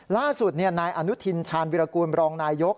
ล่าสุดนายอนุทินชาญวิรากูลบรองนายยก